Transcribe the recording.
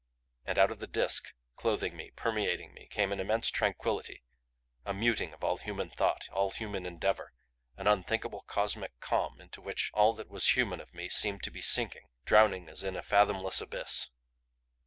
And out of the Disk, clothing me, permeating me, came an immense tranquillity, a muting of all human thought, all human endeavor, an unthinkable, cosmic calm into which all that was human of me seemed to be sinking, drowning as in a fathomless abyss.